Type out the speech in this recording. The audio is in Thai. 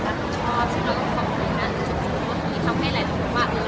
เราก็เข้าใจเองว่าถ้าคิดในแง่กับการเข้าฟูเหล็กทุกคนบ้าง